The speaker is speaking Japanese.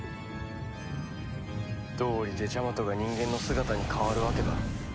どうりでジャマトが人間の姿に変わるわけだ。